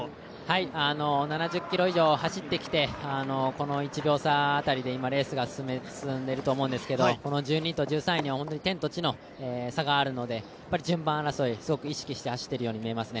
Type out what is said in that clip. ７０ｋｍ以上走ってきて、１秒差辺りでレースが進んでいると思うんですけど１２位と１３位には天と地の差があるので、順番争い、すごく意識して走っているように見えますね。